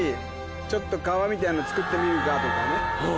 ちょっと川みたいなの造ってみるかとかね。